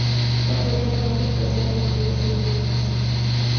Posteriormente, posee funciones inmunes.